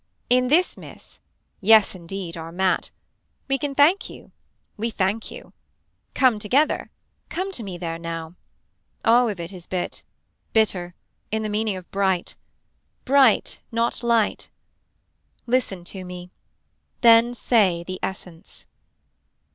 In this miss. Yes indeed our mat. We can thank you We thank you. Come together. Come to me there now. All of it is bit. Bitter. In the meaning of bright. Bright not light. Light to me. Then say the essence.